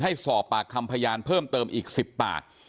ให้สอบปากคำพยานเพิ่มเติมอีก๑๐ปาก